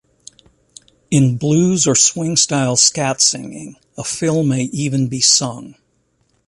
In blues or swing-style scat singing, a fill may even be sung.